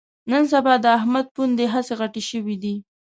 نن سبا د احمد پوندې هسې غټې شوې دي